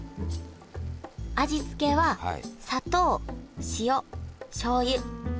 味付けは砂糖塩しょうゆ。